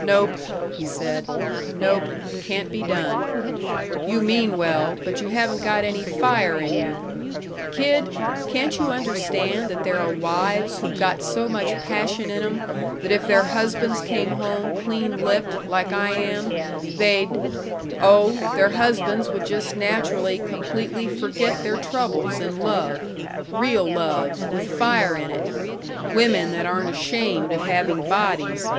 "Nope," he said; "nope. Can't be done. You mean well, but you haven't got any fire in you. Kid, can't you understand that there are wives who've got so much passion in 'em that if their husbands came home clean licked, like I am, they'd oh, their husbands would just naturally completely forget their troubles in love real love, with fire in it. Women that aren't ashamed of having bodies....